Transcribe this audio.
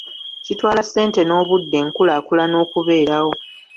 Kitwala ssente n'obudde enkulaakulana okubeerawo .